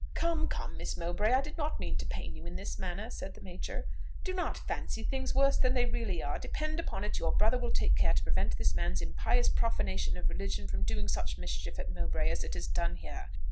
"Come, come, Miss Mowbray; I did not mean to pain you in this manner," said the major. "Do not fancy things worse than they really are: depend upon it, your brother will take care to prevent this man's impious profanation of religion from doing such mischief at Mowbray as it has done here.